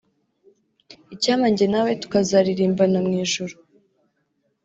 Icyampa njye nawe tukazaririmbana mu ijuru